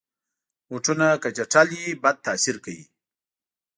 بوټونه که چټل وي، بد تاثیر کوي.